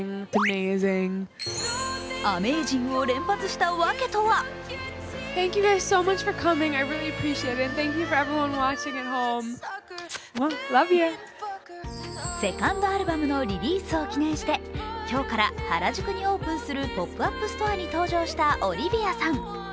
アメージングを連発した訳とはセカンドアルバムのリリースを記念して今日から原宿にオープンするポップアップストアに登場したオリヴィアさん